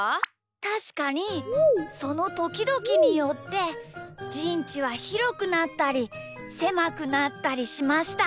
たしかにそのときどきによってじんちはひろくなったりせまくなったりしました。